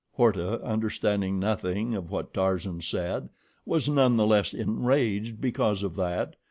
Horta, understanding nothing of what Tarzan said, was none the less enraged because of that.